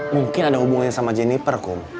mungkin ada hubungannya sama jennifer kum